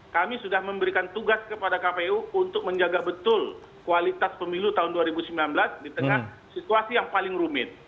kami sudah memberikan tugas kepada kpu untuk menjaga betul kualitas pemilu tahun dua ribu sembilan belas di tengah situasi yang paling rumit